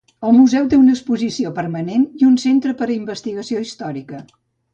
El Museu té una exposició permanent i un centre per a investigació històrica.